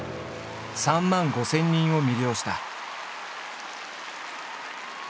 ３万５，０００人を魅了した。